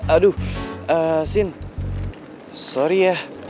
aduh sin sorry ya